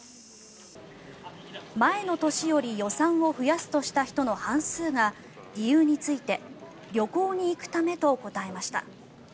前の年より予算を増やすとした人の半数が理由について旅行に行くためと答えました。